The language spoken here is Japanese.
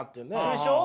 でしょう？